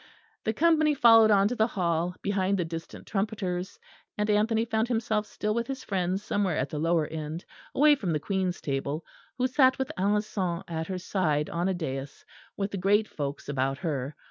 The company followed on to the hall, behind the distant trumpets, and Anthony found himself still with his friends somewhere at the lower end away from the Queen's table, who sat with Alençon at her side on a daïs, with the great folks about her.